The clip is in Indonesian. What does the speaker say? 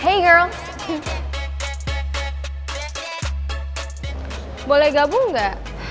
sebenarnya begitu pas lah